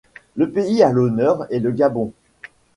Le pays à l'honneur est le Gabon.